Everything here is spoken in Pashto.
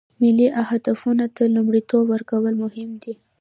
ملي اهدافو ته لومړیتوب ورکول مهم دي